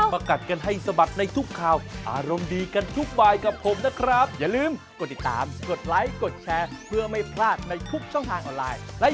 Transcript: อ๋อพี่เป๋านะคะ